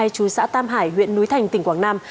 chú xã tam hải huyện núi thành tỉnh quảng nam